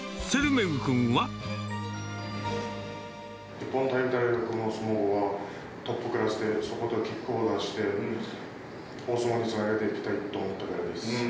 日本体育大学の相撲部はトップクラスで、そこで結果を出して、大相撲につなげていきたいと思ったからです。